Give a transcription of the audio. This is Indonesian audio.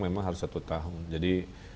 memang harus satu tahun jadi